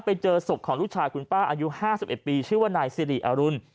ไปเจอศพของลูกชายคุณป้าอายุ๕๑ปีชื่อว่านายสิริอรุณ